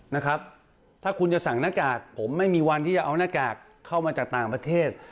นะครับถ้าคุณจะสั่งหน้ากากผมไม่มีวันที่จะเอาหน้ากากเข้ามาจากต่างประเทศ